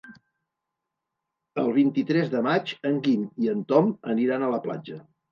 El vint-i-tres de maig en Guim i en Tom aniran a la platja.